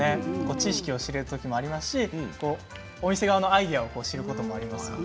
知識を知ることもありますしお店側のアイデアを知ることもあります。